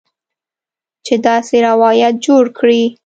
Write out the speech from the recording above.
چې داسې روایت جوړ کړي